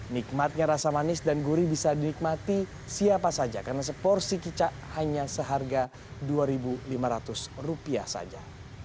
nikmatnya rasa manis dan gurih bisa dinikmati siapa saja karena seporsi kicak hanya seharga rp dua lima ratus saja